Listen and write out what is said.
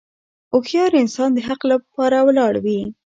هوښیار انسان د حق لپاره ولاړ وي.